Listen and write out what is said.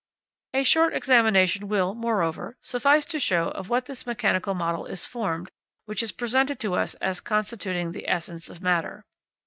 A short examination will, moreover, suffice to show of what this mechanical model is formed which is presented to us as constituting the essence of matter.